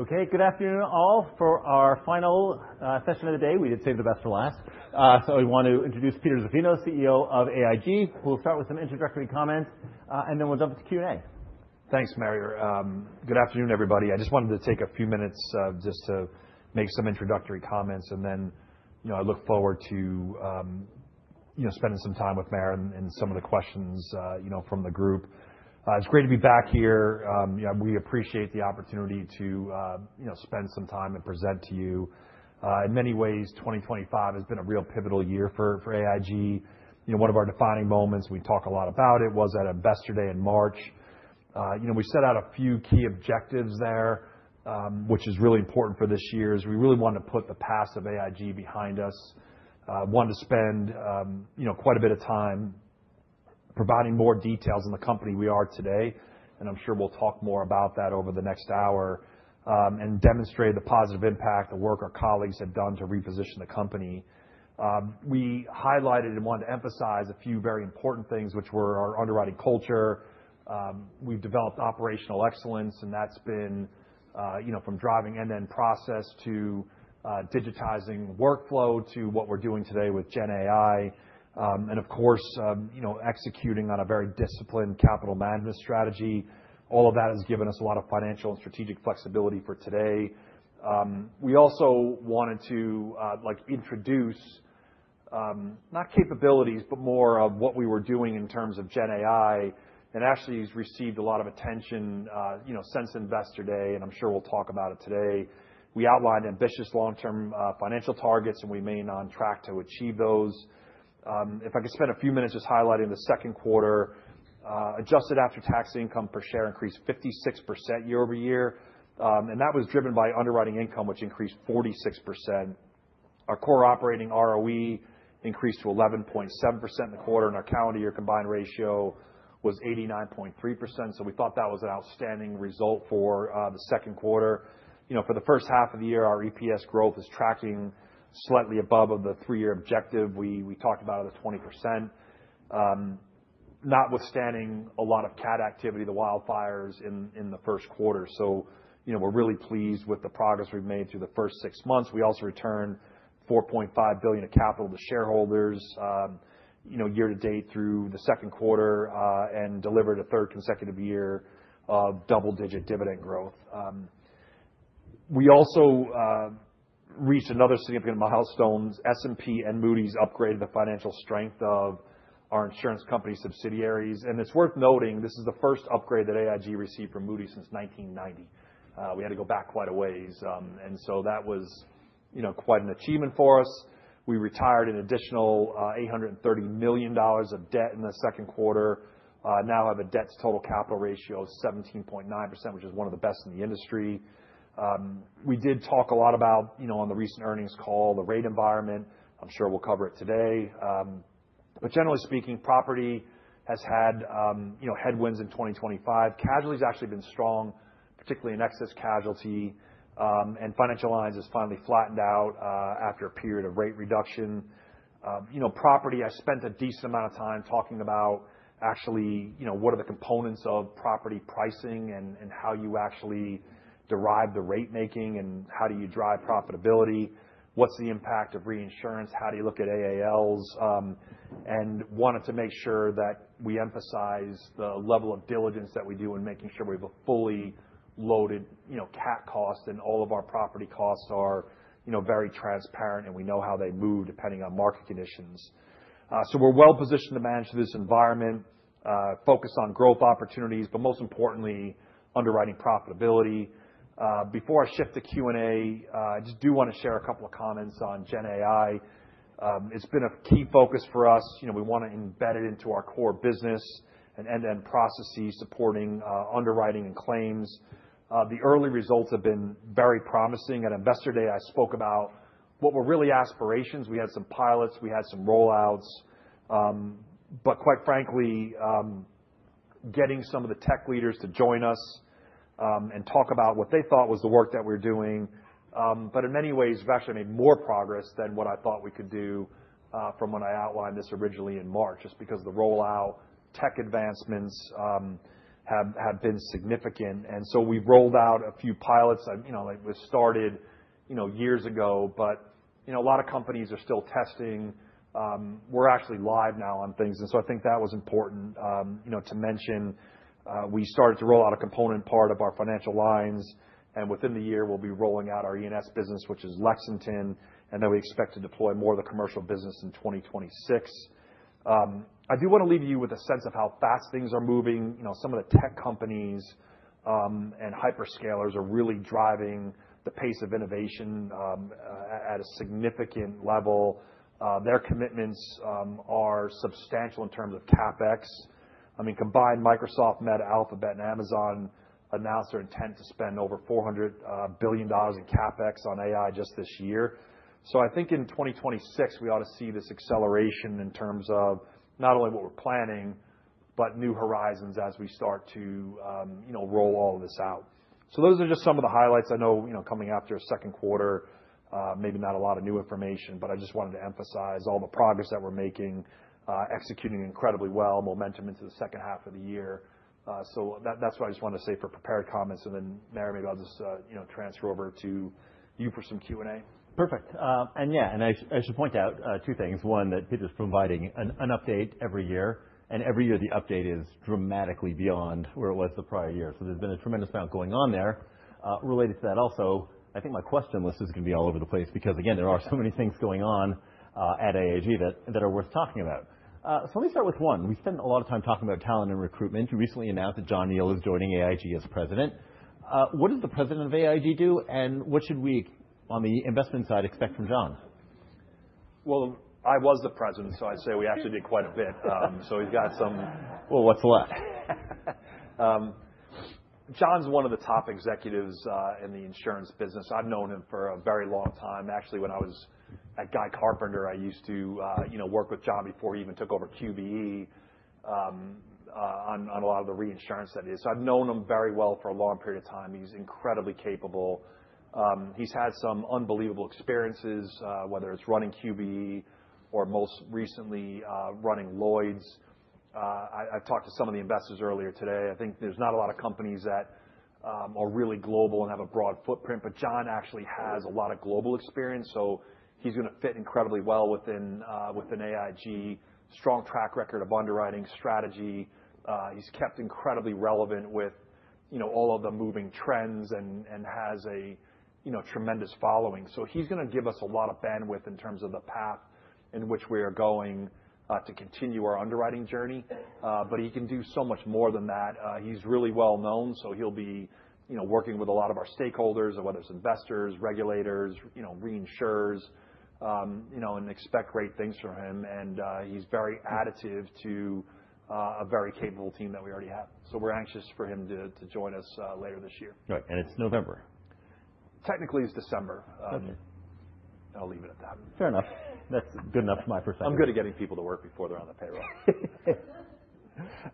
Okay, good afternoon, all, for our final session of the day. We did save the best for last. So we want to introduce Peter Zaffino, CEO of AIG. We'll start with some introductory comments, and then we'll jump to Q&A. Thanks, Meyer. Good afternoon, everybody. I just wanted to take a few minutes just to make some introductory comments, and then, you know, I look forward to, you know, spending some time with Meyer and some of the questions, you know, from the group. It's great to be back here. Yeah, we appreciate the opportunity to, you know, spend some time and present to you. In many ways, 2025 has been a real pivotal year for AIG. You know, one of our defining moments, we talk a lot about it, was at Investor Day in March. You know, we set out a few key objectives there, which is really important for this year, is we really wanted to put the past of AIG behind us. Wanted to spend, you know, quite a bit of time providing more details on the company we are today, and I'm sure we'll talk more about that over the next hour and demonstrate the positive impact the work our colleagues have done to reposition the company. We highlighted and wanted to emphasize a few very important things, which were our underwriting culture. We've developed operational excellence, and that's been, you know, from driving end-to-end process to, digitizing workflow to what we're doing today with GenAI, and of course, you know, executing on a very disciplined capital management strategy. All of that has given us a lot of financial and strategic flexibility for today. We also wanted to, like, introduce, not capabilities, but more of what we were doing in terms of GenAI. Actually, it's received a lot of attention, you know, since Investor Day, and I'm sure we'll talk about it today. We outlined ambitious long-term financial targets, and we remain on track to achieve those. If I could spend a few minutes just highlighting the second quarter. Adjusted after-tax income per share increased 56% year-over-year, and that was driven by underwriting income, which increased 46%. Our core operating ROE increased to 11.7% in the quarter, and our calendar year combined ratio was 89.3%, so we thought that was an outstanding result for the second quarter. You know, for the first half of the year, our EPS growth is tracking slightly above the three-year objective. We talked about it as 20%. Notwithstanding a lot of cat activity, the wildfires in the first quarter. So, you know, we're really pleased with the progress we've made through the first six months. We also returned $4.5 billion of capital to shareholders, you know, year to date through the second quarter, and delivered a third consecutive year of double-digit dividend growth. We also reached another significant milestone. S&P and Moody's upgraded the financial strength of our insurance company subsidiaries, and it's worth noting this is the first upgrade that AIG received from Moody's since 1990. We had to go back quite a ways, and so that was, you know, quite an achievement for us. We retired an additional $830 million dollars of debt in the second quarter, now have a debt-to-total capital ratio of 17.9%, which is one of the best in the industry. We did talk a lot about, you know, on the recent earnings call, the rate environment. I'm sure we'll cover it today. But generally speaking, property has had, you know, headwinds in 2025. Casualty's actually been strong, particularly in excess casualty, and financial lines has finally flattened out, after a period of rate reduction. You know, property, I spent a decent amount of time talking about actually, you know, what are the components of property pricing and how you actually derive the ratemaking, and how do you drive profitability? What's the impact of reinsurance? How do you look at AALs? and wanted to make sure that we emphasize the level of diligence that we do in making sure we have a fully loaded, you know, cat cost and all of our property costs are, you know, very transparent, and we know how they move depending on market conditions. So we're well positioned to manage this environment, focus on growth opportunities, but most importantly, underwriting profitability. Before I shift to Q&A, I just do want to share a couple of comments on GenAI. It's been a key focus for us. You know, we want to embed it into our core business and end-to-end processes supporting underwriting and claims. The early results have been very promising. At Investor Day, I spoke about what were really aspirations. We had some pilots, we had some rollouts, but quite frankly, getting some of the tech leaders to join us, and talk about what they thought was the work that we're doing. But in many ways, we've actually made more progress than what I thought we could do, from when I outlined this originally in March, just because the rollout tech advancements have been significant. And so we've rolled out a few pilots. You know, it was started, you know, years ago, but, you know, a lot of companies are still testing. We're actually live now on things, and so I think that was important, you know, to mention. We started to roll out a component part of our financial lines, and within the year, we'll be rolling out our E&S business, which is Lexington, and then we expect to deploy more of the commercial business in twenty twenty-six. I do want to leave you with a sense of how fast things are moving. You know, some of the tech companies and hyperscalers are really driving the pace of innovation at a significant level. Their commitments are substantial in terms of CapEx. I mean, combined, Microsoft, Meta, Alphabet, and Amazon announced their intent to spend over $400 billion in CapEx on AI just this year. So I think in twenty twenty-six, we ought to see this acceleration in terms of not only what we're planning. But new horizons as we start to, you know, roll all of this out. So those are just some of the highlights. I know, you know, coming after a second quarter, maybe not a lot of new information, but I just wanted to emphasize all the progress that we're making, executing incredibly well, momentum into the second half of the year. So, that's what I just wanted to say for prepared comments, and then, Meyer, maybe I'll just, you know, transfer over to you for some Q&A. Perfect. And, yeah, and I should point out two things. One, that thank you for providing an update every year, and every year, the update is dramatically beyond where it was the prior year. So there's been a tremendous amount going on there. Related to that also, I think my question list is gonna be all over the place, because, again, there are so many things going on at AIG that are worth talking about. So let me start with one. We spent a lot of time talking about talent and recruitment. You recently announced that John Neal is joining AIG as President. What does the President of AIG do, and what should we, on the investment side, expect from John? I was the president, so I'd say we actually did quite a bit, so he's got some- What's left? John's one of the top executives in the insurance business. I've known him for a very long time. Actually, when I was at Guy Carpenter, I used to, you know, work with John before he even took over QBE, on a lot of the reinsurance studies. So I've known him very well for a long period of time. He's incredibly capable. He's had some unbelievable experiences, whether it's running QBE or most recently, running Lloyd's. I've talked to some of the investors earlier today. I think there's not a lot of companies that are really global and have a broad footprint, but John actually has a lot of global experience, so he's gonna fit incredibly well within AIG. Strong track record of underwriting strategy. He's kept incredibly relevant with, you know, all of the moving trends and has a, you know, tremendous following. So he's gonna give us a lot of bandwidth in terms of the path in which we are going to continue our underwriting journey. But he can do so much more than that. He's really well known, so he'll be, you know, working with a lot of our stakeholders, whether it's investors, regulators, you know, reinsurers, you know, and expect great things from him. And he's very additive to a very capable team that we already have. So we're anxious for him to join us later this year. Right, and it's November. Technically, it's December. December. I'll leave it at that. Fair enough. That's good enough for my purposes. I'm good at getting people to work before they're on the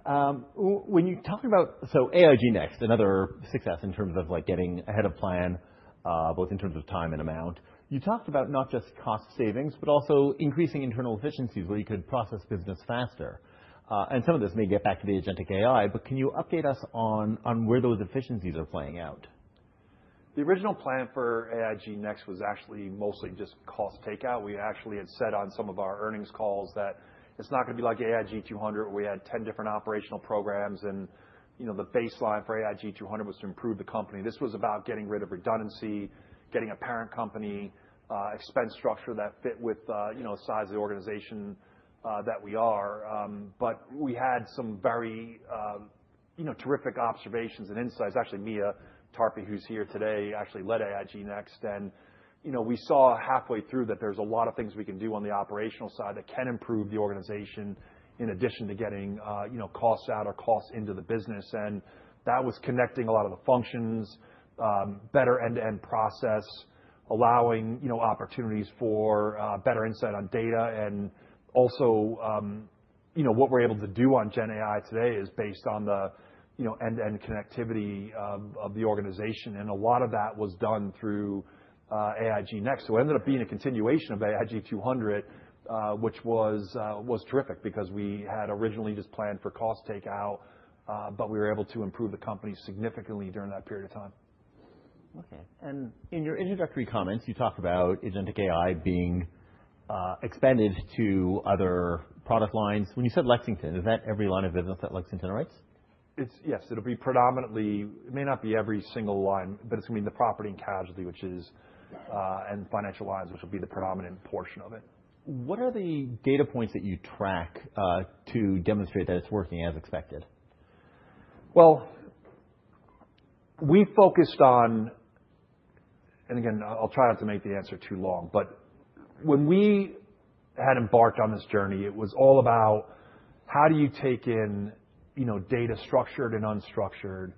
payroll. When you're talking about... So AIG Next, another success in terms of, like, getting ahead of plan, both in terms of time and amount. You talked about not just cost savings, but also increasing internal efficiencies, where you could process business faster. And some of this may get back to the agentic AI, but can you update us on, on where those efficiencies are playing out? The original plan for AIG Next was actually mostly just cost takeout. We actually had said on some of our earnings calls that it's not gonna be like AIG 200, where we had 10 different operational programs, and, you know, the baseline for AIG 200 was to improve the company. This was about getting rid of redundancy, getting a parent company, expense structure that fit with, you know, the size of the organization that we are, but we had some very, you know, terrific observations and insights. Actually, Mia Tarpey, who's here today, actually led AIG Next, and, you know, we saw halfway through that there's a lot of things we can do on the operational side that can improve the organization in addition to getting, you know, costs out or costs into the business. And that was connecting a lot of the functions, better end-to-end process, allowing, you know, opportunities for better insight on data and also, you know, what we're able to do on GenAI today is based on the, you know, end-to-end connectivity of the organization, and a lot of that was done through AIG Next. So it ended up being a continuation of AIG 200, which was terrific because we had originally just planned for cost takeout, but we were able to improve the company significantly during that period of time. Okay, and in your introductory comments, you talked about Agentic AI being expanded to other product lines. When you said Lexington, is that every line of business that Lexington writes? Yes, it'll be predominantly. It may not be every single line, but it's gonna be the property and casualty, which is, and financial lines, which will be the predominant portion of it. What are the data points that you track to demonstrate that it's working as expected? We focused on, and again, I'll try not to make the answer too long, but when we had embarked on this journey, it was all about: How do you take in, you know, data structured and unstructured?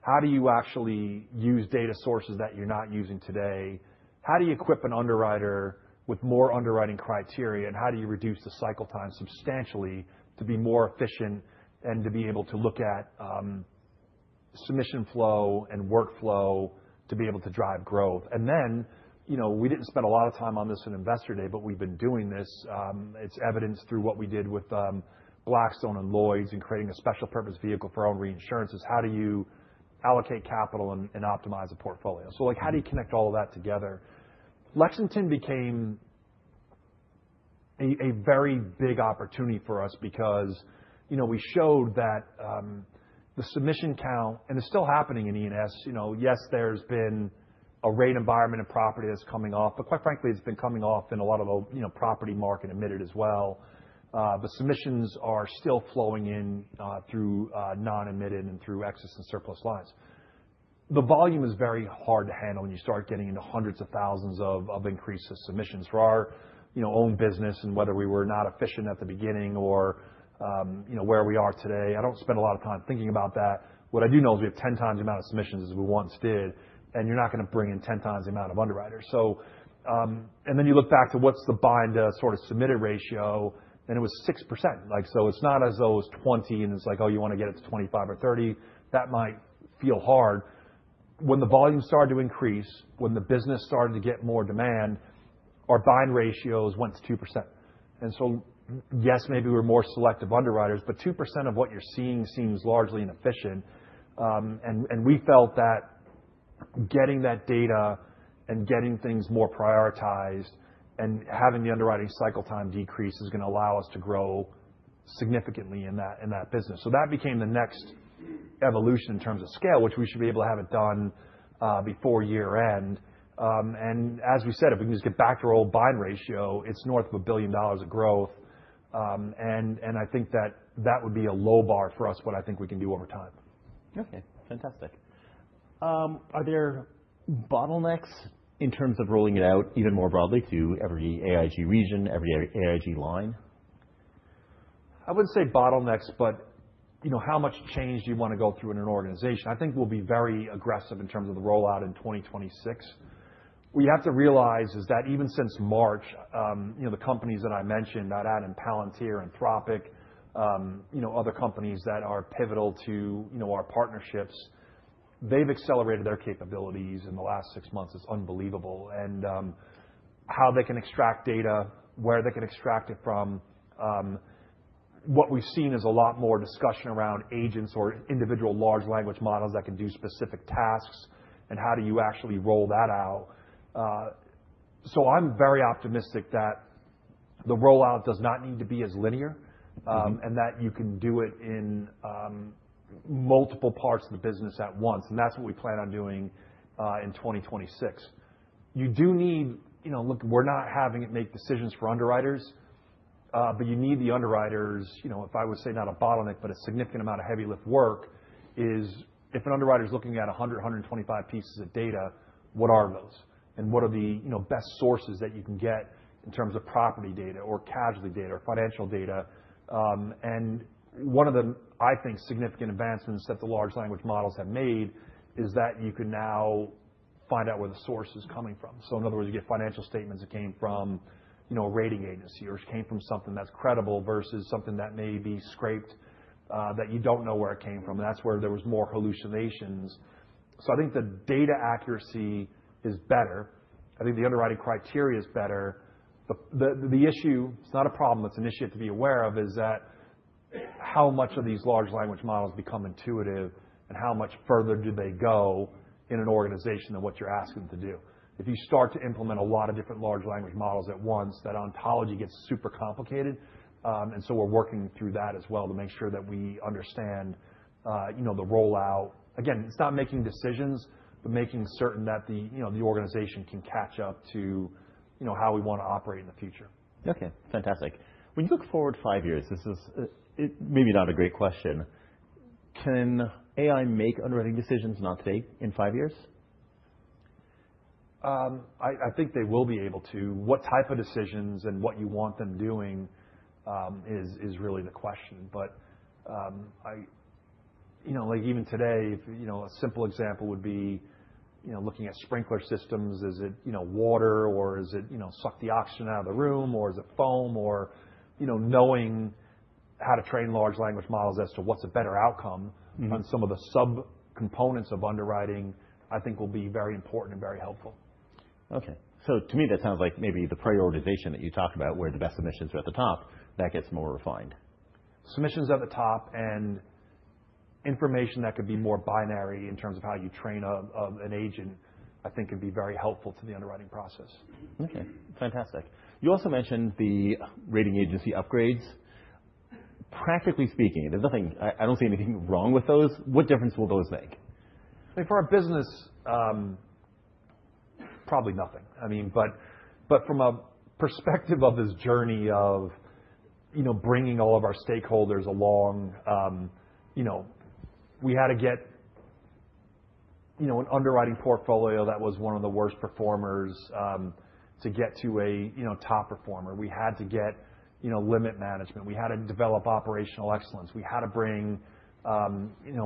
How do you actually use data sources that you're not using today? How do you equip an underwriter with more underwriting criteria, and how do you reduce the cycle time substantially to be more efficient and to be able to look at submission flow and workflow to be able to drive growth? And then, you know, we didn't spend a lot of time on this in Investor Day, but we've been doing this. It's evidenced through what we did with Blackstone and Lloyd's in creating a special-purpose vehicle for our own reinsurances. How do you allocate capital and optimize a portfolio? So, like, how do you connect all of that together? Lexington became a very big opportunity for us because, you know, we showed that the submission count, and it's still happening in E&S. You know, yes, there's been a rate environment and property that's coming off, but quite frankly, it's been coming off in a lot of the, you know, property market admitted as well. The submissions are still flowing in through non-admitted and through excess and surplus lines. The volume is very hard to handle when you start getting into hundreds of thousands of increases submissions. For our, you know, own business and whether we were not efficient at the beginning or, you know, where we are today, I don't spend a lot of time thinking about that. What I do know is we have 10x the amount of submissions as we once did, and you're not gonna bring in 10x the amount of underwriters. So, and then you look back to what's the bind-to-submitted ratio, and it was 6%. Like, so it's not as though it was 20%, and it's like, oh, you want to get it to 25% or 30%. That might feel hard. When the volume started to increase, when the business started to get more demand, our bind ratios went to 2%. And so, yes, maybe we're more selective underwriters, but 2% of what you're seeing seems largely inefficient. And we felt that getting that data and getting things more prioritized and having the underwriting cycle time decrease is gonna allow us to grow significantly in that, in that business. So that became the next evolution in terms of scale, which we should be able to have it done before year-end. And as we said, if we can just get back to our old bind ratio, it's north of $1 billion of growth. And I think that would be a low bar for us, what I think we can do over time. Okay, fantastic. Are there bottlenecks in terms of rolling it out even more broadly to every AIG region, every AIG line? I wouldn't say bottlenecks, but, you know, how much change do you wanna go through in an organization? I think we'll be very aggressive in terms of the rollout in 2026. What you have to realize is that even since March, you know, the companies that I mentioned, not at Palantir, Anthropic, you know, other companies that are pivotal to, you know, our partnerships, they've accelerated their capabilities in the last six months. It's unbelievable, and how they can extract data, where they can extract it from, what we've seen is a lot more discussion around agents or individual large language models that can do specific tasks, and how do you actually roll that out? So I'm very optimistic that the rollout does not need to be as linear, and that you can do it in multiple parts of the business at once, and that's what we plan on doing in 2026. You do need. You know, look, we're not having it make decisions for underwriters, but you need the underwriters, you know, if I would say not a bottleneck, but a significant amount of heavy lift work, is if an underwriter is looking at 100-125 pieces of data, what are those? And what are the, you know, best sources that you can get in terms of property data or casualty data or financial data? And one of the, I think, significant advancements that the large language models have made is that you can now find out where the source is coming from. So in other words, you get financial statements that came from, you know, a rating agency or it came from something that's credible versus something that may be scraped, that you don't know where it came from. And that's where there was more hallucinations. So I think the data accuracy is better. I think the underwriting criteria is better. The issue, it's not a problem, it's an issue to be aware of, is that how much of these large language models become intuitive and how much further do they go in an organization than what you're asking them to do? If you start to implement a lot of different large language models at once, that ontology gets super complicated. And so we're working through that as well to make sure that we understand, you know, the rollout. Again, it's not making decisions, but making certain that, you know, the organization can catch up to, you know, how we want to operate in the future. Okay, fantastic. When you look forward five years, this is, it maybe not a great question: Can AI make underwriting decisions, not today, in five years? I think they will be able to. What type of decisions and what you want them doing is really the question. But I... You know, like, even today, you know, a simple example would be, you know, looking at sprinkler systems, is it, you know, water, or is it, you know, suck the oxygen out of the room, or is it foam, or, you know, knowing how to train large language models as to what's a better outcome- Mm-hmm. On some of the subcomponents of underwriting, I think will be very important and very helpful. Okay. So to me, that sounds like maybe the prioritization that you talked about, where the best submissions are at the top, that gets more refined. Submissions at the top and information that could be more binary in terms of how you train an agent, I think could be very helpful to the underwriting process. Okay, fantastic. You also mentioned the rating agency upgrades. Practically speaking, there's nothing. I don't see anything wrong with those. What difference will those make? I think for our business, probably nothing. I mean, but from a perspective of this journey of, you know, bringing all of our stakeholders along, you know, we had to get, you know, an underwriting portfolio that was one of the worst performers, to get to a, you know, top performer. We had to get, you know, limit management. We had to develop operational excellence. We had to bring... You know,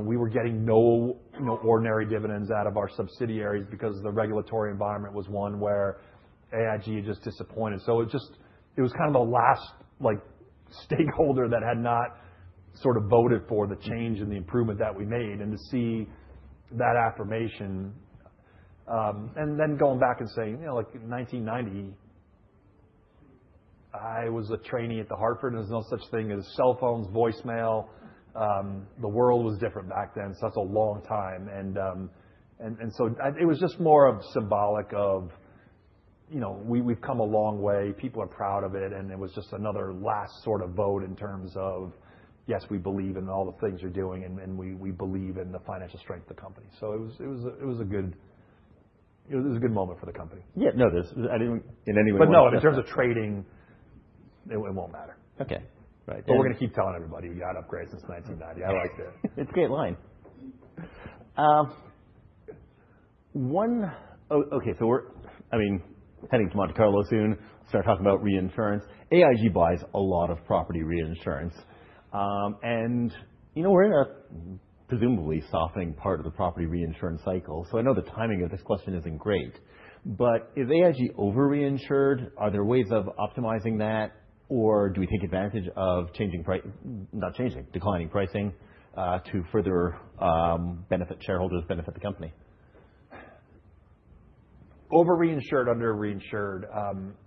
we were getting no ordinary dividends out of our subsidiaries because the regulatory environment was one where AIG just disappointed. So it just, it was kind of the last, like, stakeholder that had not sort of voted for the change and the improvement that we made, and to see that affirmation, and then going back and saying, "You know, like, in 1990, I was a trainee at The Hartford. There was no such thing as cell phones, voicemail. The world was different back then," so that's a long time, and so it was just more symbolic of, you know, we've come a long way. People are proud of it, and it was just another last sort of vote in terms of, "Yes, we believe in all the things you're doing, and we believe in the financial strength of the company," so it was a good moment for the company. Yeah, no, this, I didn't in any way- But no, in terms of trading, it won't matter. Okay. Right. But we're gonna keep telling everybody we got upgrades since 1990. I like it. It's a great line. So we're, I mean, heading to Monte Carlo soon, start talking about reinsurance. AIG buys a lot of property reinsurance. And, you know, we're in a presumably softening part of the property reinsurance cycle, so I know the timing of this question isn't great, but is AIG over-reinsured? Are there ways of optimizing that, or do we take advantage of declining pricing to further benefit shareholders, benefit the company? Over reinsured, under reinsured,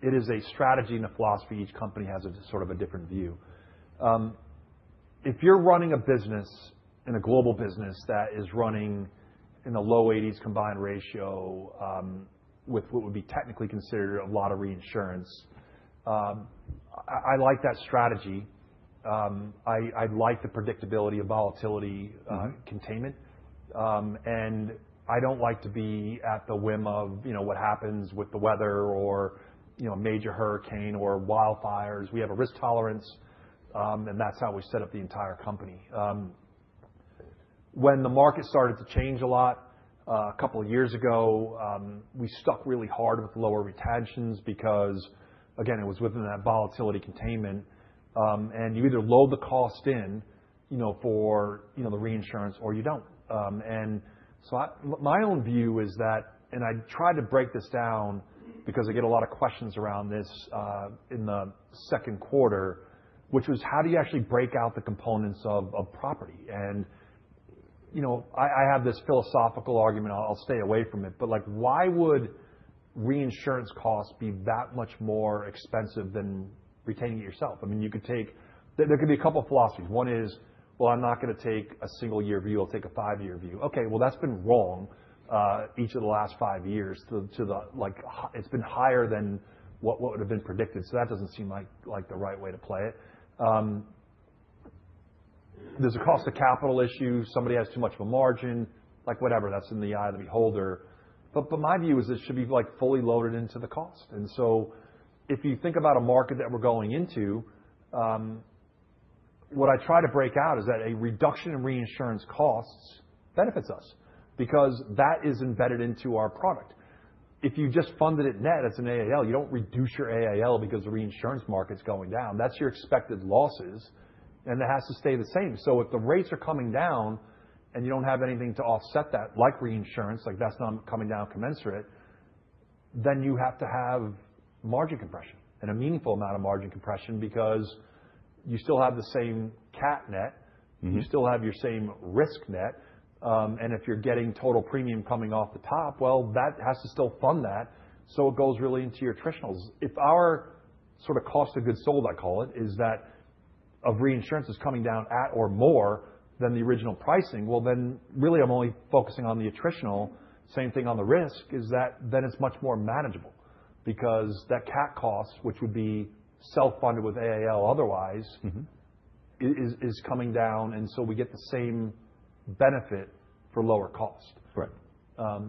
it is a strategy and a philosophy. Each company has a sort of a different view. If you're running a business, in a global business that is running in the low 80s combined ratio, with what would be technically considered a lot of reinsurance, I like that strategy. I like the predictability of volatility, containment, and I don't like to be at the whim of, you know, what happens with the weather or, you know, a major hurricane or wildfires. We have a risk tolerance, and that's how we set up the entire company. When the market started to change a lot, a couple of years ago, we stuck really hard with lower retentions because, again, it was within that volatility containment. And you either load the cost in, you know, for, you know, the reinsurance or you don't. And so my own view is that, and I tried to break this down because I get a lot of questions around this, in the second quarter, which was how do you actually break out the components of property? And, you know, I have this philosophical argument. I'll stay away from it, but, like, why would reinsurance costs be that much more expensive than retaining it yourself? I mean, you could take... could be a couple philosophies. One is, well, I'm not gonna take a single year view. I'll take a five-year view. Okay, well, that's been wrong each of the last five years. It's been higher than what would have been predicted, so that doesn't seem like the right way to play it. There's a cost of capital issue. Somebody has too much of a margin, like, whatever, that's in the eye of the beholder. But my view is it should be, like, fully loaded into the cost. So if you think about a market that we're going into, what I try to break out is that a reduction in reinsurance costs benefits us because that is embedded into our product. If you just funded it net as an AAL, you don't reduce your AAL because the reinsurance market's going down. That's your expected losses, and it has to stay the same. So if the rates are coming down and you don't have anything to offset that, like reinsurance, like that's not coming down commensurate, then you have to have margin compression and a meaningful amount of margin compression because you still have the same cat net. Mm-hmm. You still have your same risk net. And if you're getting total premium coming off the top, well, that has to still fund that, so it goes really into your attritionals. If our sort of cost of goods sold, I call it, is that of reinsurance is coming down at or more than the original pricing, well, then, really, I'm only focusing on the attritional. Same thing on the risk, is that then it's much more manageable because that cat cost, which would be self-funded with AAL otherwise- Mm-hmm... is coming down, and so we get the same benefit for lower cost. Right.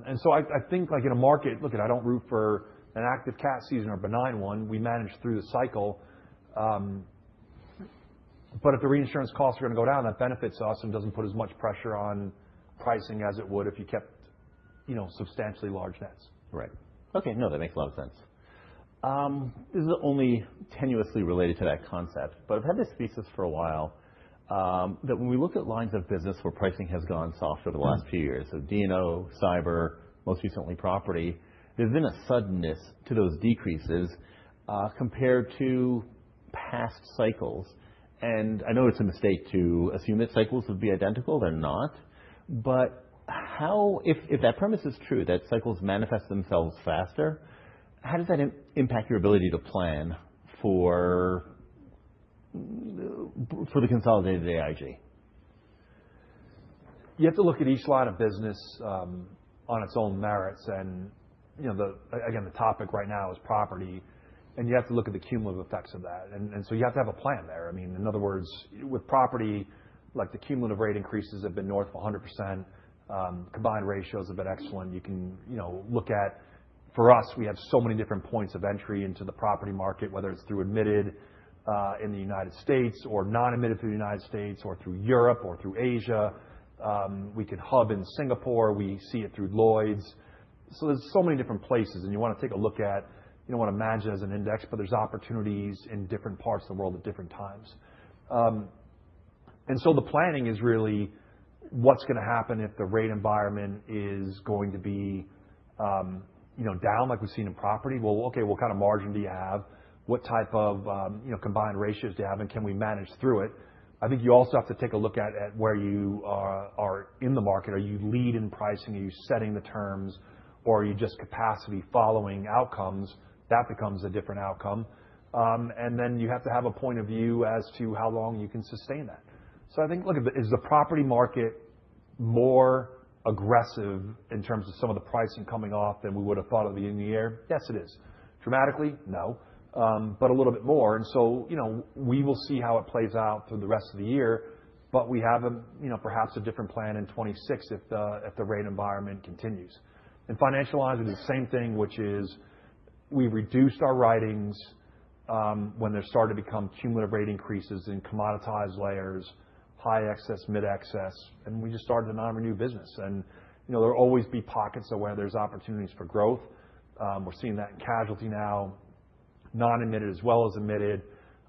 And so I think, like in a market, look, I don't root for an active cat season or a benign one. We manage through the cycle. But if the reinsurance costs are gonna go down, that benefits us and doesn't put as much pressure on pricing as it would if you kept, you know, substantially large nets. Right. Okay, no, that makes a lot of sense. This is only tenuously related to that concept, but I've had this thesis for a while, that when we look at lines of business where pricing has gone soft over the last few years, so D&O, cyber, most recently property, there's been a suddenness to those decreases, compared to past cycles. And I know it's a mistake to assume that cycles would be identical. They're not. But how... If that premise is true, that cycles manifest themselves faster, how does that impact your ability to plan for the consolidated AIG? You have to look at each line of business, on its own merits, and, you know, again, the topic right now is property, and you have to look at the cumulative effects of that, and so you have to have a plan there. I mean, in other words, with property, like the cumulative rate increases have been north of 100%. Combined ratios have been excellent. You can, you know, look at, for us, we have so many different points of entry into the property market, whether it's through admitted in the United States or non-admitted through the United States or through Europe or through Asia. We could hub in Singapore. We see it through Lloyd's. So there's so many different places, and you wanna take a look at. You don't want to manage it as an index, but there's opportunities in different parts of the world at different times. And so the planning is really what's gonna happen if the rate environment is going to be, you know, down like we've seen in property? Well, okay, what kind of margin do you have? What type of, you know, combined ratios do you have, and can we manage through it? I think you also have to take a look at where you are in the market. Are you lead in pricing? Are you setting the terms, or are you just capacity following outcomes? That becomes a different outcome. And then you have to have a point of view as to how long you can sustain that. So I think, look, is the property market more aggressive in terms of some of the pricing coming off than we would have thought it'd be in the year? Yes, it is. Dramatically? No. But a little bit more, and so, you know, we will see how it plays out through the rest of the year, but we have a, you know, perhaps a different plan in 2026 if the rate environment continues. In financial lines, it is the same thing, which is we reduced our writings when they started to become cumulative rate increases in commoditized layers, high excess, mid excess, and we just started to non-renew business. And, you know, there will always be pockets of where there's opportunities for growth. We're seeing that in casualty now, non-admitted as well as admitted.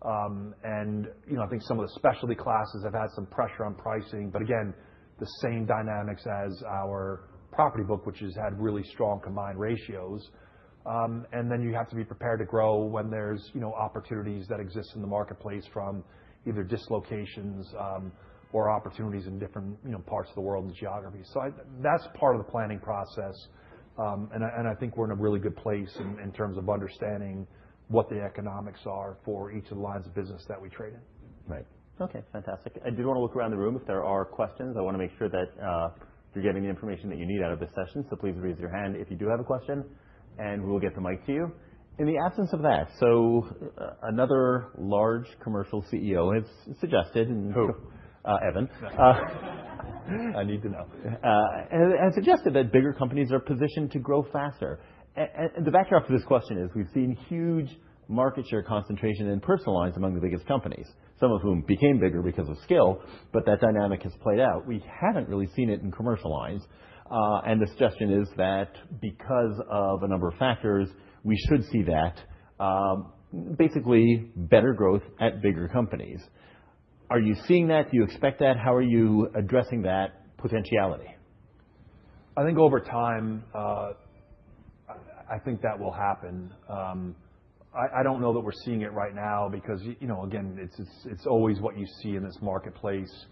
And, you know, I think some of the specialty classes have had some pressure on pricing, but again, the same dynamics as our property book, which has had really strong combined ratios. And then you have to be prepared to grow when there's, you know, opportunities that exist in the marketplace from either dislocations or opportunities in different, you know, parts of the world and geographies. So, that's part of the planning process. And I think we're in a really good place in terms of understanding what the economics are for each of the lines of business that we trade in. Right. Okay, fantastic. I did want to look around the room if there are questions. I want to make sure that you're getting the information that you need out of this session, so please raise your hand if you do have a question, and we'll get the mic to you. In the absence of that, so another large commercial CEO has suggested and- Who? Uh, Evan. I need to know. And suggested that bigger companies are positioned to grow faster. And the backdrop for this question is we've seen huge market share concentration in personal lines among the biggest companies, some of whom became bigger because of scale, but that dynamic has played out. We haven't really seen it in commercial lines. And the suggestion is that because of a number of factors, we should see that, basically better growth at bigger companies. Are you seeing that? Do you expect that? How are you addressing that potentiality? I think over time, I think that will happen. I don't know that we're seeing it right now because, you know, again, it's always what you see in this marketplace,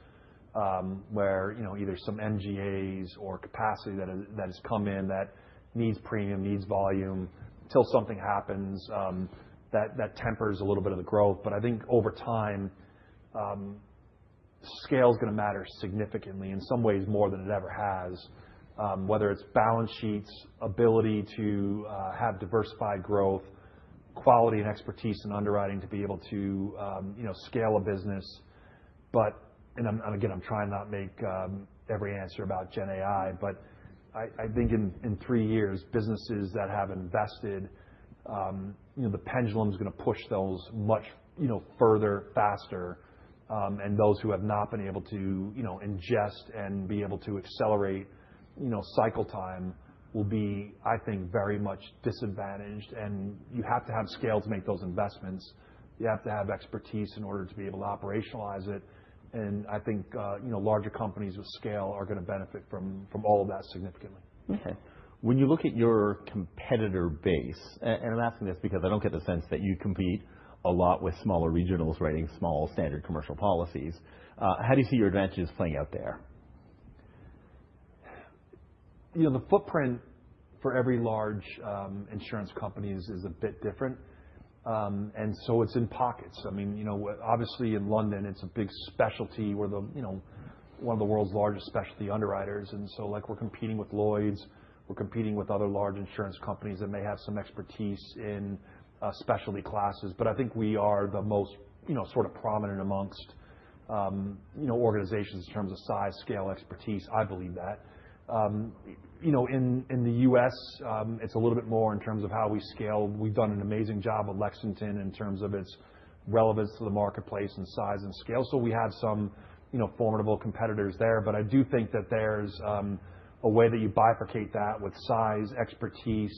where, you know, either some MGAs or capacity that has come in that needs premium, needs volume, till something happens that tempers a little bit of the growth. But I think over time, scale's going to matter significantly, in some ways more than it ever has. Whether it's balance sheets, ability to have diversified growth, quality and expertise in underwriting to be able to, you know, scale a business. But... I'm again trying to not make every answer about GenAI, but I think in three years, businesses that have invested you know the pendulum's going to push those much you know further faster. And those who have not been able to you know ingest and be able to accelerate you know cycle time will be I think very much disadvantaged. You have to have scale to make those investments. You have to have expertise in order to be able to operationalize it, and I think you know larger companies with scale are going to benefit from all of that significantly. Okay. When you look at your competitor base, and I'm asking this because I don't get the sense that you compete a lot with smaller regionals writing small standard commercial policies, how do you see your advantages playing out there? You know, the footprint for every large insurance company is a bit different, and so it's in pockets. I mean, you know, obviously in London, it's a big specialty. We're the, you know, one of the world's largest specialty underwriters, and so, like, we're competing with Lloyd's, we're competing with other large insurance companies that may have some expertise in specialty classes. But I think we are the most, you know, sort of prominent amongst, you know, organizations in terms of size, scale, expertise. I believe that. You know, in the U.S., it's a little bit more in terms of how we scale. We've done an amazing job with Lexington in terms of its relevance to the marketplace and size and scale, so we have some, you know, formidable competitors there. But I do think that there's a way that you bifurcate that with size, expertise,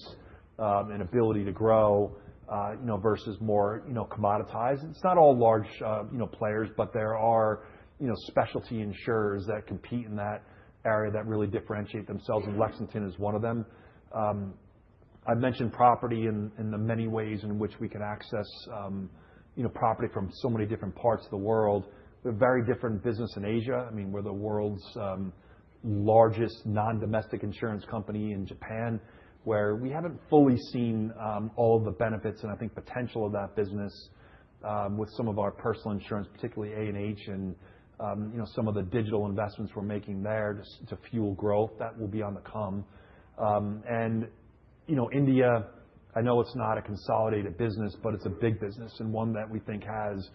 and ability to grow, you know, versus more, you know, commoditized. It's not all large, you know, players, but there are, you know, specialty insurers that compete in that area that really differentiate themselves, and Lexington is one of them. I've mentioned property and the many ways in which we can access, you know, property from so many different parts of the world. We're a very different business in Asia. I mean, we're the world's largest non-domestic insurance company in Japan, where we haven't fully seen all the benefits and I think potential of that business, with some of our personal insurance, particularly A&H and, you know, some of the digital investments we're making there to fuel growth. That will be on the come. And, you know, India, I know it's not a consolidated business, but it's a big business and one that we think has,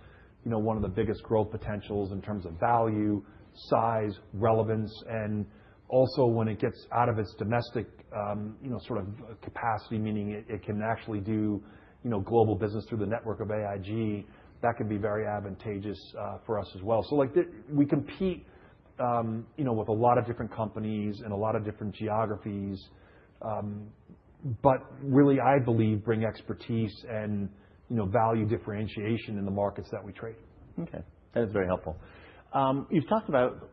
you know, one of the biggest growth potentials in terms of value, size, relevance, and also when it gets out of its domestic, you know, sort of capacity, meaning it can actually do, you know, global business through the network of AIG. That could be very advantageous for us as well. So, like, we compete, you know, with a lot of different companies and a lot of different geographies, but really, I believe, bring expertise and, you know, value differentiation in the markets that we trade in. Okay. That is very helpful. You've talked about,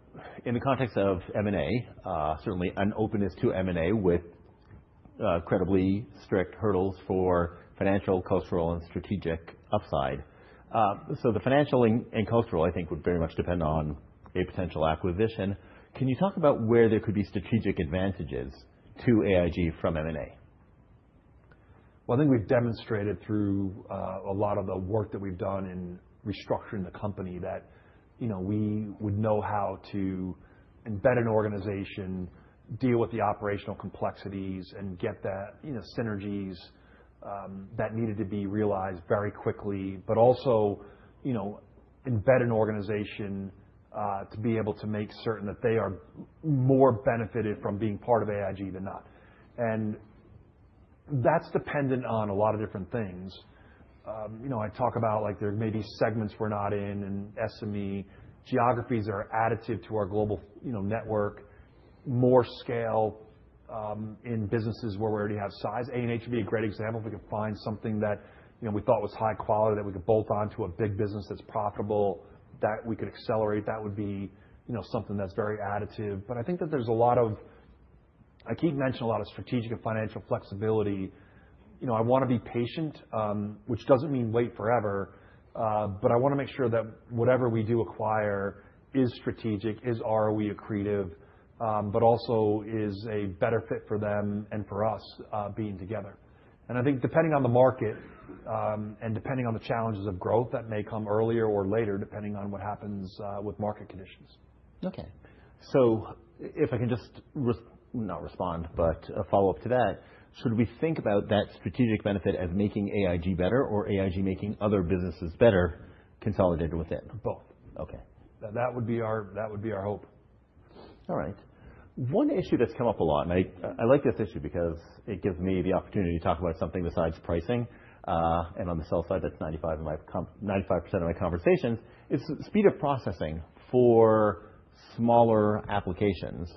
in the context of M&A, certainly an openness to M&A with incredibly strict hurdles for financial, cultural, and strategic upside. So the financial and cultural, I think, would very much depend on a potential acquisition. Can you talk about where there could be strategic advantages to AIG from M&A? I think we've demonstrated through a lot of the work that we've done in restructuring the company that, you know, we would know how to embed an organization, deal with the operational complexities, and get the, you know, synergies that needed to be realized very quickly, but also, you know, embed an organization to be able to make certain that they are more benefited from being part of AIG than not, and that's dependent on a lot of different things. You know, I talk about, like, there may be segments we're not in, in SME. Geographies are additive to our global, you know, network. More scale in businesses where we already have size. A&H would be a great example. If we could find something that, you know, we thought was high quality, that we could bolt on to a big business that's profitable, that we could accelerate, that would be, you know, something that's very additive. But I think that there's a lot of. I keep mentioning a lot of strategic and financial flexibility. You know, I want to be patient, which doesn't mean wait forever, but I wanna make sure that whatever we do acquire is strategic, is ROE accretive, but also is a better fit for them and for us, being together. And I think depending on the market, and depending on the challenges of growth, that may come earlier or later, depending on what happens, with market conditions. Okay. If I can just not respond, but a follow-up to that, should we think about that strategic benefit as making AIG better or AIG making other businesses better, consolidated with it? Both. Okay. That would be our hope. All right. One issue that's come up a lot, and I like this issue because it gives me the opportunity to talk about something besides pricing, and on the sell side, that's 95% of my conversations, is speed of processing for smaller applications,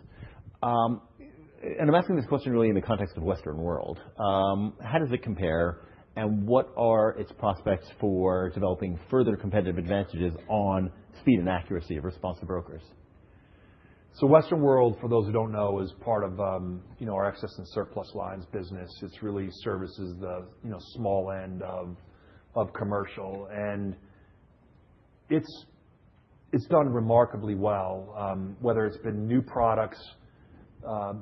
and I'm asking this question really in the context of Western World. How does it compare, and what are its prospects for developing further competitive advantages on speed and accuracy of response to brokers? So Western World, for those who don't know, is part of, you know, our excess and surplus lines business. It's really services the, you know, small end of, of commercial, and it's, it's done remarkably well. Whether it's been new products,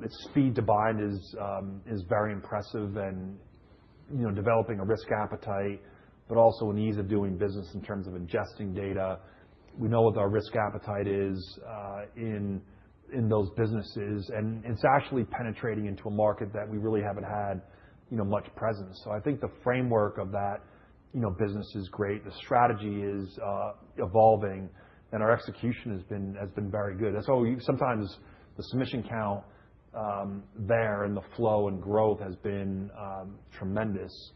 its speed to bind is, is very impressive and, you know, developing a risk appetite, but also an ease of doing business in terms of ingesting data. We know what our risk appetite is, in those businesses, and it's actually penetrating into a market that we really haven't had, you know, much presence. So I think the framework of that, you know, business is great, the strategy is, evolving, and our execution has been very good. That's all... Sometimes the submission count, there, and the flow and growth has been, tremendous.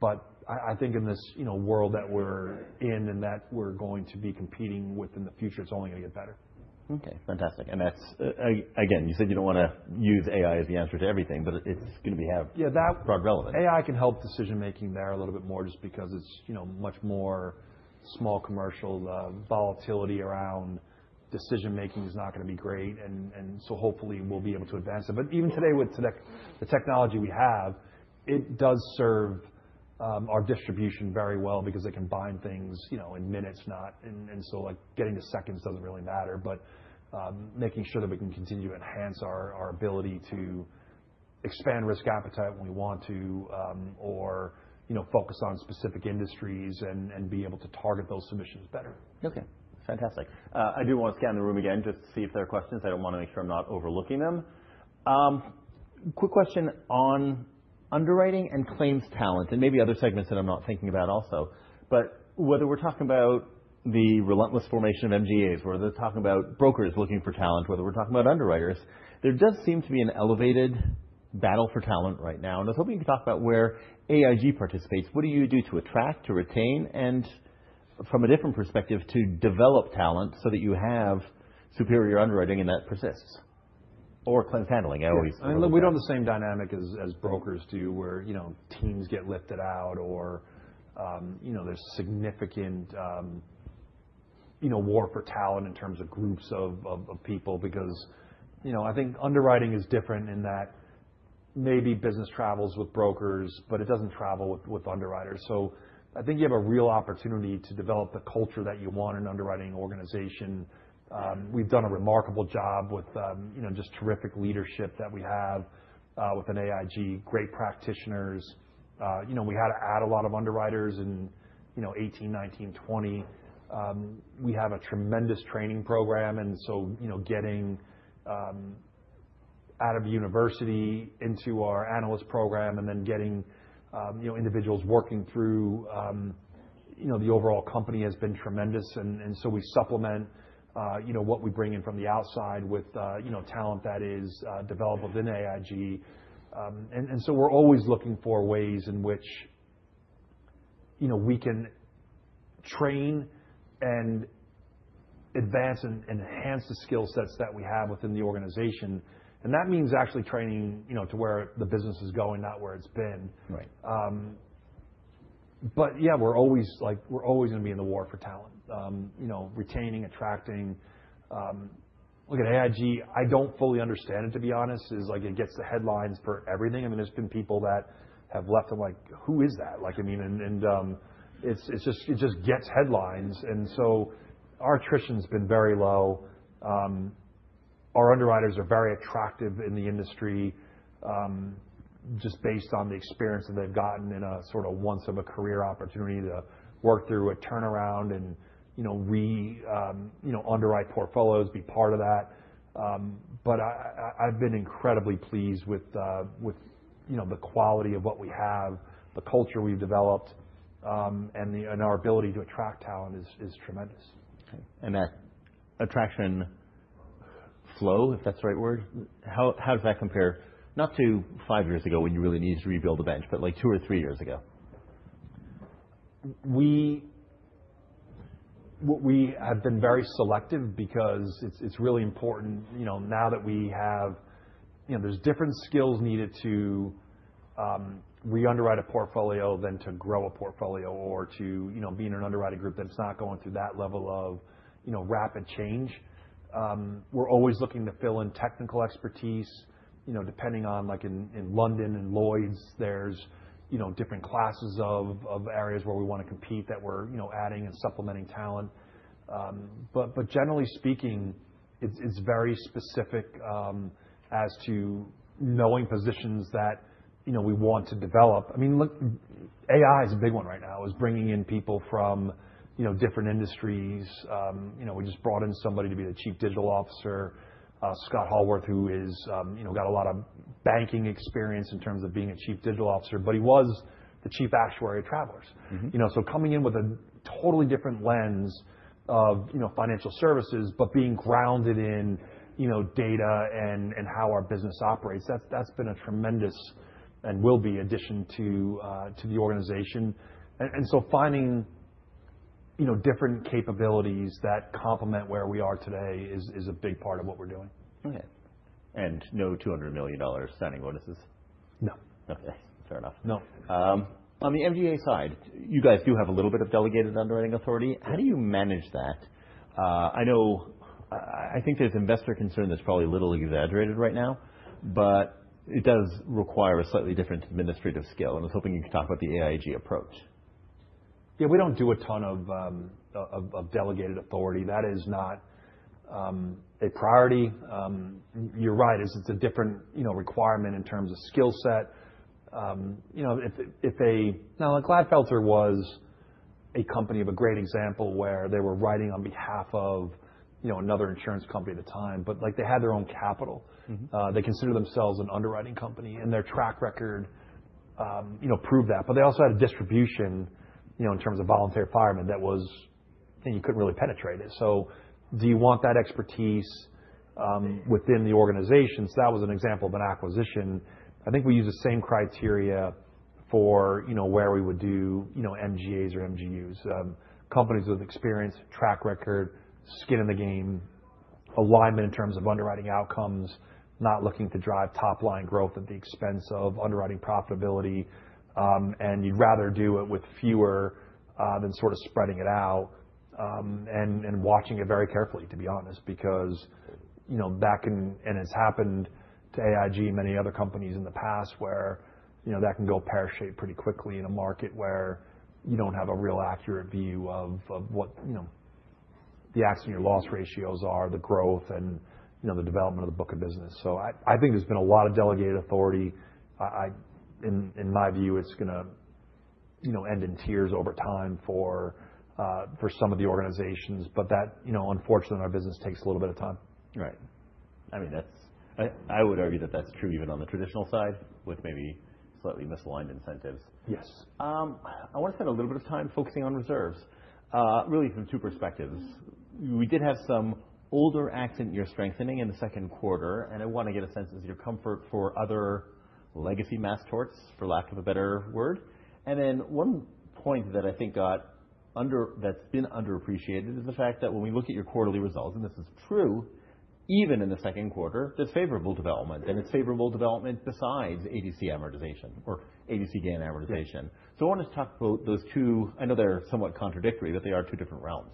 But I think in this, you know, world that we're in and that we're going to be competing with in the future, it's only gonna get better. Okay, fantastic, and that's, again, you said you don't wanna use AI as the answer to everything, but it's gonna be have- Yeah, that- Relevant. AI can help decision making there a little bit more just because it's, you know, much more small commercial. Volatility around decision making is not gonna be great, and so hopefully we'll be able to advance it. But even today, with the technology we have, it does serve our distribution very well because they can bind things, you know, in minutes, and so, like, getting to seconds doesn't really matter, but making sure that we can continue to enhance our ability to expand risk appetite when we want to, or, you know, focus on specific industries and be able to target those submissions better. Okay, fantastic. I do want to scan the room again just to see if there are questions. I do wanna make sure I'm not overlooking them. Quick question on underwriting and claims talent and maybe other segments that I'm not thinking about also. But whether we're talking about the relentless formation of MGAs, whether they're talking about brokers looking for talent, whether we're talking about underwriters, there does seem to be an elevated battle for talent right now, and I was hoping you could talk about where AIG participates. What do you do to attract, to retain, and from a different perspective, to develop talent so that you have superior underwriting and that persists? Or claims handling, I always- Yeah. We don't have the same dynamic as brokers do, where, you know, teams get lifted out or, you know, there's significant, you know, war for talent in terms of groups of people because, you know, I think underwriting is different in that maybe business travels with brokers, but it doesn't travel with underwriters. So I think you have a real opportunity to develop the culture that you want in an underwriting organization. We've done a remarkable job with, you know, just terrific leadership that we have within AIG, great practitioners. You know, we had to add a lot of underwriters in 2018, 2019, 2020. We have a tremendous training program, and so, you know, getting out of university into our analyst program and then getting, you know, individuals working through, you know, the overall company has been tremendous. And so we supplement, you know, what we bring in from the outside with, you know, talent that is developed within AIG. And so we're always looking for ways in which, you know, we can train and advance and enhance the skill sets that we have within the organization, and that means actually training, you know, to where the business is going, not where it's been. Right. But yeah, we're always, like, gonna be in the war for talent. You know, retaining, attracting... Look at AIG, I don't fully understand it, to be honest. It's like it gets the headlines for everything. I mean, there's been people that have left and like, "Who is that?" Like, I mean, and it's just, it just gets headlines, and so our attrition's been very low. Our underwriters are very attractive in the industry, just based on the experience that they've gotten in a sort of once-in-a-career opportunity to work through a turnaround and, you know, underwrite portfolios, be part of that. But I've been incredibly pleased with, you know, the quality of what we have, the culture we've developed, and our ability to attract talent is tremendous. Okay. And that attraction flow, if that's the right word, how does that compare, not to five years ago, when you really needed to rebuild the bench, but like two or three years ago? We have been very selective because it's really important, you know, now that we have. You know, there's different skills needed to underwrite a portfolio than to grow a portfolio or to, you know, be in an underwriting group that's not going through that level of, you know, rapid change. We're always looking to fill in technical expertise, you know, depending on, like in London and Lloyd's, there's, you know, different classes of areas where we want to compete that we're, you know, adding and supplementing talent. But generally speaking, it's very specific as to knowing positions that, you know, we want to develop. I mean, look, AI is a big one right now. It's bringing in people from, you know, different industries. You know, we just brought in somebody to be the Chief Digital Officer, Scott Hallworth, who is, you know, got a lot of banking experience in terms of being a Chief Digital Officer, but he was the Chief Actuary at Travelers. Mm-hmm. You know, so coming in with a totally different lens of, you know, financial services, but being grounded in, you know, data and how our business operates, that's been a tremendous and will be addition to the organization. And so finding, you know, different capabilities that complement where we are today is a big part of what we're doing. Okay. And no $200 million signing bonuses? No. Okay, fair enough. No. On the MGA side, you guys do have a little bit of delegated underwriting authority. How do you manage that? I know, I think there's investor concern that's probably a little exaggerated right now, but it does require a slightly different administrative skill, and I was hoping you could talk about the AIG approach. Yeah, we don't do a ton of delegated authority. That is not a priority. You're right, it's a different, you know, requirement in terms of skill set. You know, now, Glatfelter was a company of a great example, where they were writing on behalf of, you know, another insurance company at the time, but, like, they had their own capital. Mm-hmm. They consider themselves an underwriting company, and their track record, you know, proved that. But they also had a distribution, you know, in terms of volunteer firemen that was... and you couldn't really penetrate it. So do you want that expertise within the organization? So that was an example of an acquisition. I think we use the same criteria for, you know, where we would do, you know, MGAs or MGUs. Companies with experience, track record, skin in the game, alignment in terms of underwriting outcomes, not looking to drive top-line growth at the expense of underwriting profitability. And you'd rather do it with fewer than sort of spreading it out and watching it very carefully, to be honest, because, you know, back in, and it's happened to AIG and many other companies in the past, where, you know, that can go pear-shaped pretty quickly in a market where you don't have a real accurate view of what, you know, the accident year loss ratios are, the growth, and, you know, the development of the book of business. So I think there's been a lot of delegated authority. In my view, it's gonna end in tears over time for some of the organizations, but, you know, unfortunately, our business takes a little bit of time. Right. I mean, that's... I would argue that that's true even on the traditional side, with maybe slightly misaligned incentives. Yes. I want to spend a little bit of time focusing on reserves, really from two perspectives. We did have some older accident year strengthening in the second quarter, and I want to get a sense of your comfort for other legacy mass torts, for lack of a better word. And then one point that I think that's been underappreciated is the fact that when we look at your quarterly results, and this is true even in the second quarter, there's favorable development, and it's favorable development besides ADC amortization or ADC gain amortization. Right. So I want us to talk about those two. I know they're somewhat contradictory, but they are two different realms.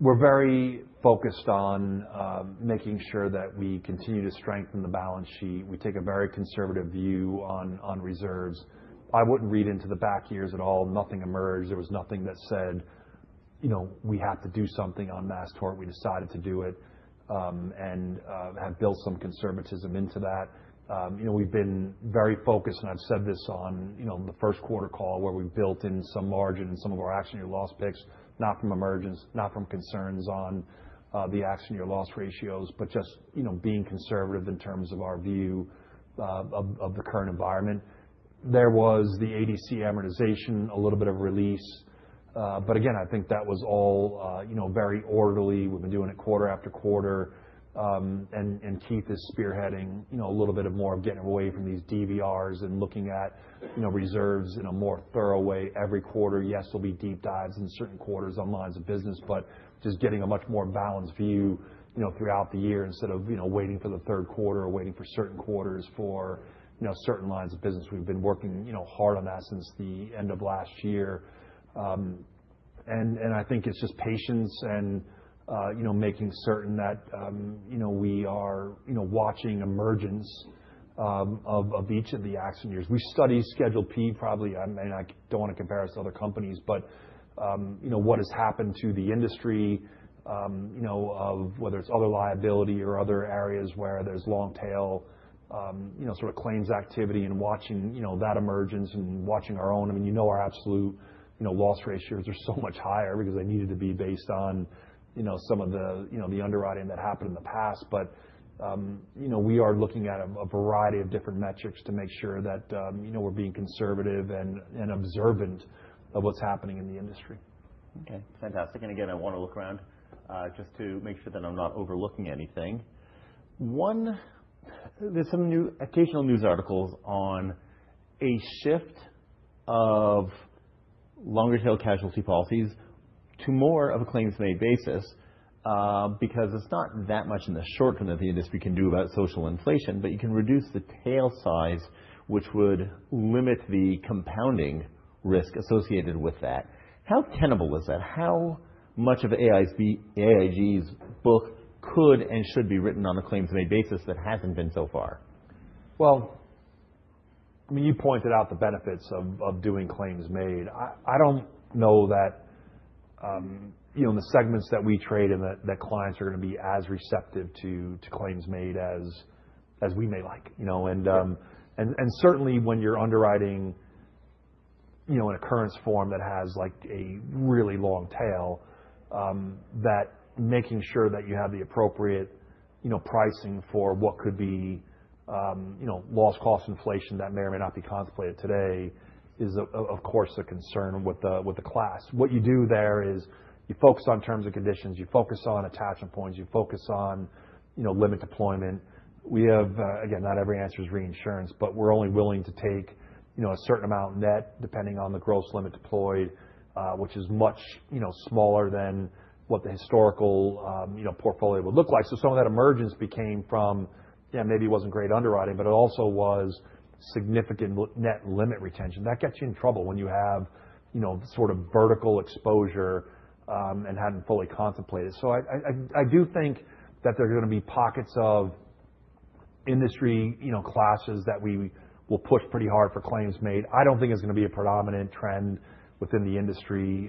We're very focused on making sure that we continue to strengthen the balance sheet. We take a very conservative view on reserves. I wouldn't read into the back years at all. Nothing emerged. There was nothing that said, you know, we have to do something on mass tort. We decided to do it, and have built some conservatism into that. You know, we've been very focused, and I've said this on, you know, the first quarter call, where we built in some margin and some of our accident year loss picks, not from emergence, not from concerns on the accident year loss ratios, but just, you know, being conservative in terms of our view of the current environment. There was the ADC amortization, a little bit of release, but again, I think that was all, you know, very orderly. We've been doing it quarter after quarter. And Keith is spearheading, you know, a little bit of more of getting away from these DVRs and looking at, you know, reserves in a more thorough way every quarter. Yes, there'll be deep dives in certain quarters on lines of business, but just getting a much more balanced view, you know, throughout the year, instead of, you know, waiting for the third quarter or waiting for certain quarters for, you know, certain lines of business. We've been working, you know, hard on that since the end of last year. And I think it's just patience and, you know, making certain that, you know, we are, you know, watching emergence of each of the accident years. We study Schedule P, probably, and I don't want to compare us to other companies, but you know, what has happened to the industry, you know, of whether it's other liability or other areas where there's long tail, you know, sort of claims activity and watching, you know, that emergence and watching our own. I mean, you know, our absolute, you know, loss ratios are so much higher because they needed to be based on, you know, some of the, you know, the underwriting that happened in the past. But you know, we are looking at a variety of different metrics to make sure that, you know, we're being conservative and observant of what's happening in the industry. Okay, fantastic. And again, I want to look around just to make sure that I'm not overlooking anything. One, there's some new occasional news articles on a shift of longer tail casualty policies to more of a claims-made basis because it's not that much in the short term that the industry can do about social inflation, but you can reduce the tail size, which would limit the compounding risk associated with that. How tenable is that? How much of AIG's book could and should be written on a claims-made basis that hasn't been so far? I mean, you pointed out the benefits of doing claims made. I don't know that, you know, in the segments that we trade, and that clients are gonna be as receptive to claims made as we may like, you know? Yeah. Certainly, when you're underwriting, you know, an occurrence form that has, like, a really long tail, that making sure that you have the appropriate, you know, pricing for what could be, you know, loss cost inflation that may or may not be contemplated today is of course a concern with the class. What you do there is you focus on terms and conditions, you focus on attachment points, you focus on, you know, limit deployment. We have, again, not every answer is reinsurance, but we're only willing to take, you know, a certain amount net, depending on the gross limit deployed, which is much, you know, smaller than what the historical, you know, portfolio would look like. So some of that emergence came from, yeah, maybe it wasn't great underwriting, but it also was significant net limit retention. That gets you in trouble when you have, you know, sort of vertical exposure, and hadn't fully contemplated. I do think that there are gonna be pockets of industry, you know, classes that we will push pretty hard for claims made. I don't think it's gonna be a predominant trend within the industry.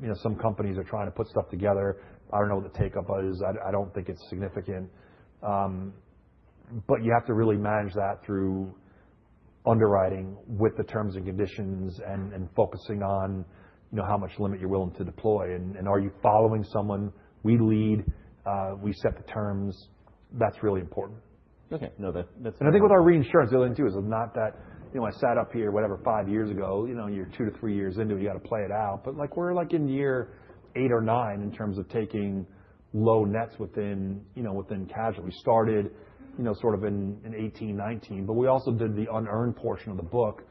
You know, some companies are trying to put stuff together. I don't know what the take-up is. I don't think it's significant. But you have to really manage that through underwriting with the terms and conditions and focusing on, you know, how much limit you're willing to deploy, and are you following someone? We lead, we set the terms. That's really important. Okay. No, that, that's- I think with our reinsurance deal too, is not that, you know, I sat up here, whatever, five years ago. You know, you're two to three years into it, you got to play it out, but, like, we're, like, in year eight or nine in terms of taking low nets within, you know, within casualty. Started, you know, sort of in 2018, 2019, but we also did the unearned portion of the book.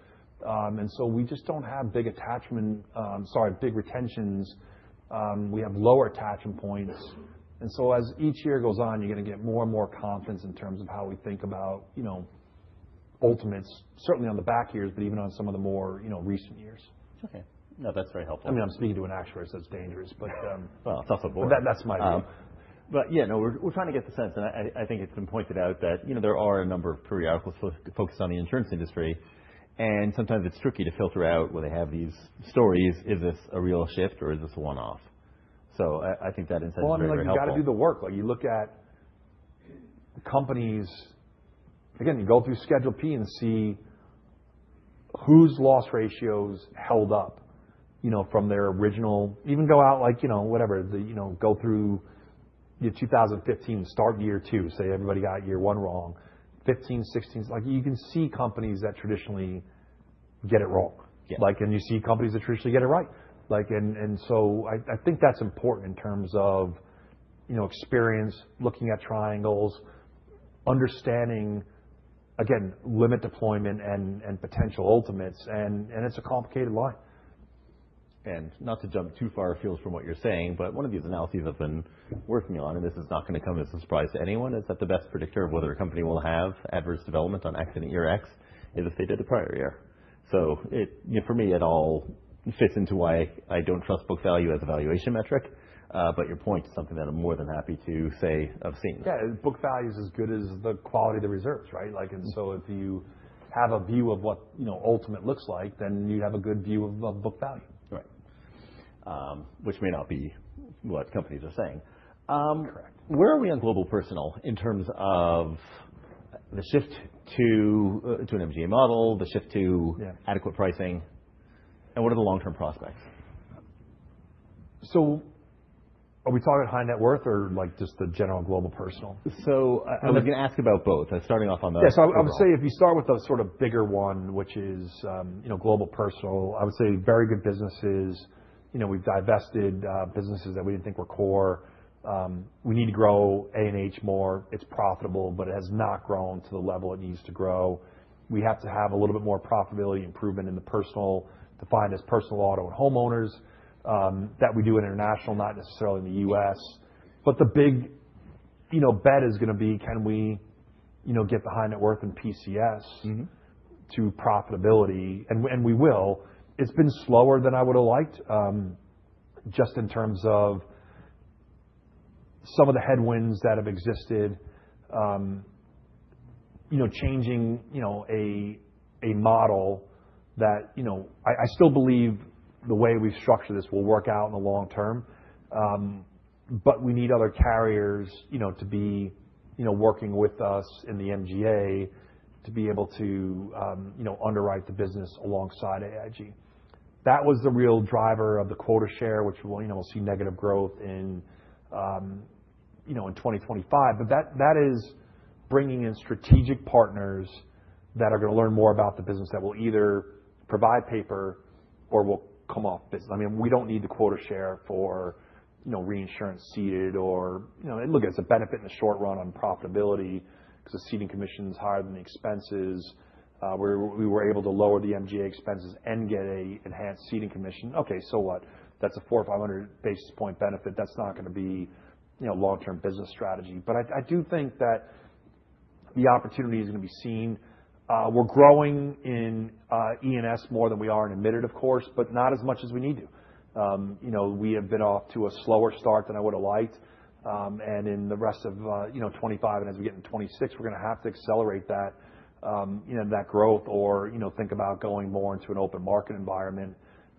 And so we just don't have big attachment, sorry, big retentions. We have lower attachment points, and so as each year goes on, you're gonna get more and more confidence in terms of how we think about, you know, ultimates, certainly on the back years, but even on some of the more, you know, recent years. Okay. No, that's very helpful. I mean, I'm speaking to an actuary, so it's dangerous, but, It's also- That, that's my view. But yeah, no, we're trying to get the sense, and I think it's been pointed out that, you know, there are a number of periodicals focused on the insurance industry, and sometimes it's tricky to filter out where they have these stories: is this a real shift or is this a one-off? So I think that insight is very, very helpful. I mean, you gotta do the work, like you look at companies. Again, you go through Schedule P and see whose loss ratios held up, you know, from their original. Even go out, like, you know, whatever, you know, go through your 2015, start year two. Say everybody got year one wrong, 2015, 2016. Like, you can see companies that traditionally get it wrong. Yeah. Like, and you see companies that traditionally get it right. Like, and so I think that's important in terms of, you know, experience, looking at triangles, understanding, again, limit deployment and potential ultimates, and it's a complicated line. And not to jump too far afield from what you're saying, but one of the analyses I've been working on, and this is not gonna come as a surprise to anyone, is that the best predictor of whether a company will have adverse development on accident year X is if they did the prior year. So, you know, for me, it all fits into why I don't trust book value as a valuation metric, but your point is something that I'm more than happy to say I've seen. Yeah, book value is as good as the quality of the reserves, right? Mm-hmm. Like, and so if you have a view of what, you know, ultimate looks like, then you'd have a good view of book value. Right. Which may not be what companies are saying. Correct. Where are we on Global Personal in terms of the shift to an MGA model, the shift to- Yeah... adequate pricing, and what are the long-term prospects? So are we talking high net worth or, like, just the general Global Personal? I was gonna ask about both. I'm starting off on the overall. Yeah, so I would say if you start with the sort of bigger one, which is, you know, Global Personal, I would say very good businesses. You know, we've divested, businesses that we didn't think were core. We need to grow A&H more. It's profitable, but it has not grown to the level it needs to grow. We have to have a little bit more profitability improvement in the personal, defined as personal auto and homeowners, that we do in international, not necessarily in the U.S. But the big, you know, bet is gonna be can we, you know, get the high net worth in PCS- Mm-hmm... to profitability, and we will. It's been slower than I would've liked, just in terms of some of the headwinds that have existed. You know, changing, you know, a model that, you know... I still believe the way we've structured this will work out in the long term. But we need other carriers, you know, to be, you know, working with us in the MGA to be able to, you know, underwrite the business alongside AIG. That was the real driver of the quota share, which, well, you know, we'll see negative growth in, you know, in twenty twenty-five. But that is bringing in strategic partners that are gonna learn more about the business, that will either provide paper or will come off business. I mean, we don't need the quota share for, you know, reinsurance ceded or, you know. Look, it's a benefit in the short run on profitability because the ceding commission is higher than the expenses. We were able to lower the MGA expenses and get an enhanced ceding commission. Okay, so what? That's a 400 or 500 basis point benefit. That's not gonna be, you know, long-term business strategy. But I do think that the opportunity is gonna be seen. We're growing in E&S more than we are in admitted, of course, but not as much as we need to. You know, we have been off to a slower start than I would have liked. And in the rest of, you know, 2025, and as we get into 2026, we're gonna have to accelerate that, you know, that growth or, you know, think about going more into an open market environment,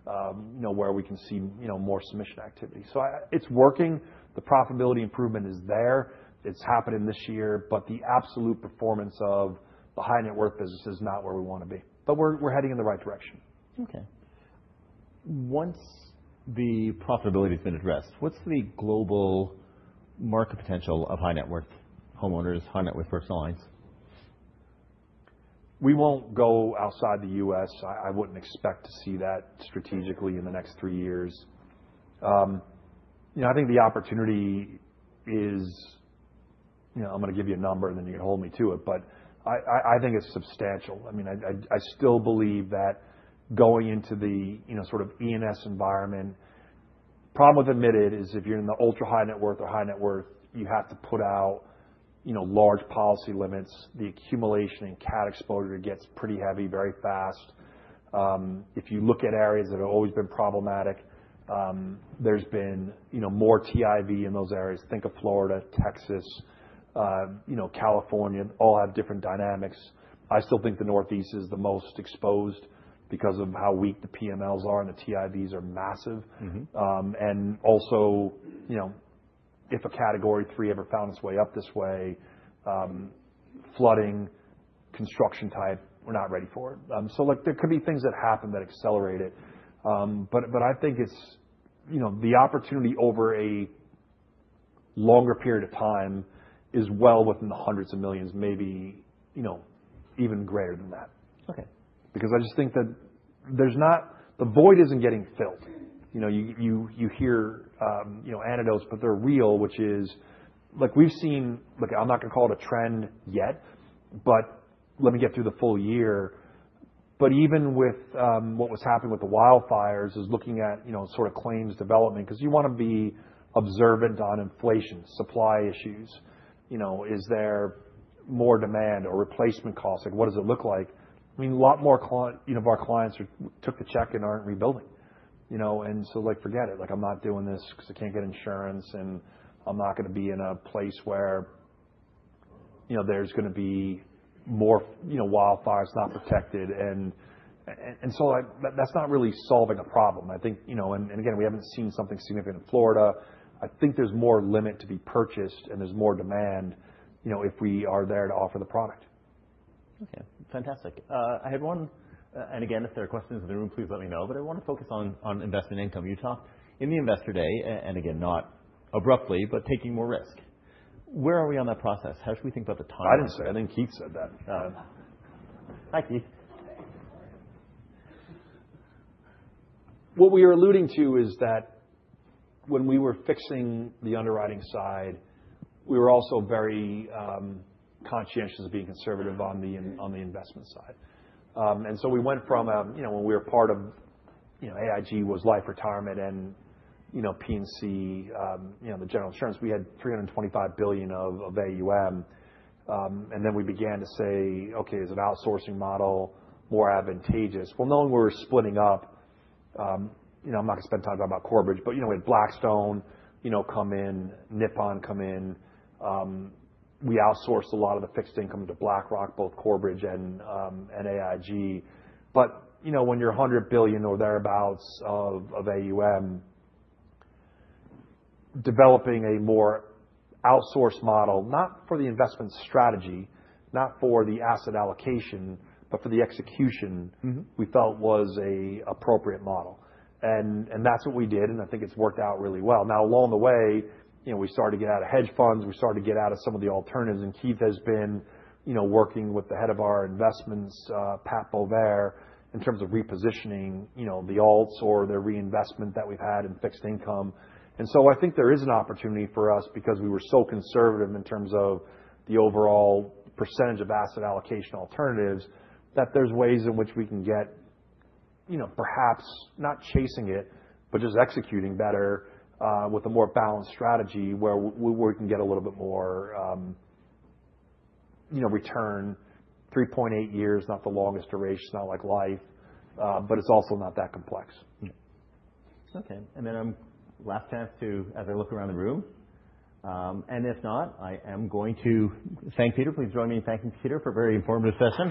you know, where we can see, you know, more submission activity. So, it's working. The profitability improvement is there. It's happening this year, but the absolute performance of the high net worth business is not where we wanna be, but we're heading in the right direction. Okay. Once the profitability has been addressed, what's the global market potential of high net worth homeowners, high net worth personal lines? We won't go outside the U.S. I wouldn't expect to see that strategically in the next three years. You know, I think the opportunity is... You know, I'm gonna give you a number, and then you can hold me to it, but I think it's substantial. I mean, I still believe that going into the, you know, sort of E&S environment, problem with admitted is if you're in the ultra-high net worth or high net worth, you have to put out, you know, large policy limits. The accumulation and cat exposure gets pretty heavy very fast. If you look at areas that have always been problematic, there's been, you know, more TIV in those areas. Think of Florida, Texas, you know, California, all have different dynamics. I still think the Northeast is the most exposed because of how weak the PMLs are, and the TIVs are massive. Mm-hmm. And also, you know, if a category three ever found its way up this way, flooding, construction type, we're not ready for it. So, look, there could be things that happen that accelerate it. But I think it's, you know, the opportunity over a longer period of time is well within the hundreds of millions, maybe, you know, even greater than that. Okay. Because I just think that there's not... The void isn't getting filled. You know, you hear, you know, anecdotes, but they're real, which is like we've seen, like I'm not gonna call it a trend yet, but let me get through the full year, but even with what was happening with the wildfires, is looking at, you know, sort of claims development, because you wanna be observant on inflation, supply issues. You know, is there more demand or replacement costs? Like, what does it look like? I mean, a lot more of our clients took the check and aren't rebuilding, you know? And so, like, forget it. Like, I'm not doing this because I can't get insurance, and I'm not gonna be in a place where, you know, there's gonna be more, you know, wildfires, not protected, and so I... But that's not really solving a problem. I think, you know, and again, we haven't seen something significant in Florida. I think there's more limit to be purchased, and there's more demand, you know, if we are there to offer the product. Okay, fantastic. I had one, and again, if there are questions in the room, please let me know, but I wanna focus on investment income. You talked in the Investor Day, and again, not abruptly, but taking more risk. Where are we on that process? How should we think about the timeline? I didn't say... I think Keith said that. Hi, Keith. What we were alluding to is that when we were fixing the underwriting side, we were also very, conscientious of being conservative on the on the investment side. And so we went from a, you know, when we were part of, you know, AIG was life retirement and, you know, P&C, you know, the general insurance, we had $325 billion of, of AUM. And then we began to say, "Okay, is an outsourcing model more advantageous?" Well, knowing we were splitting up, you know, I'm not gonna spend time talking about Corebridge, but you know, we had Blackstone, you know, come in, Nippon come in. We outsourced a lot of the fixed income to BlackRock, both Corebridge and, and AIG. But, you know, when you're $100 billion or thereabouts of, of AUM, developing a more outsourced model, not for the investment strategy, not for the asset allocation, but for the execution- Mm-hmm. We felt was an appropriate model. And, and that's what we did, and I think it's worked out really well. Now, along the way, you know, we started to get out of hedge funds, we started to get out of some of the alternatives, and Keith has been, you know, working with the head of our investments, Pat Boisvert, in terms of repositioning, you know, the alts or the reinvestment that we've had in fixed income. I think there is an opportunity for us because we were so conservative in terms of the overall percentage of asset allocation alternatives, that there's ways in which we can get, you know, perhaps not chasing it, but just executing better, with a more balanced strategy where we can get a little bit more, you know, return, 3.8 years, not the longest duration. It's not like life, but it's also not that complex. Okay, and then, last chance to, as I look around the room, and if not, I am going to thank Peter. Please join me in thanking Peter for a very informative session.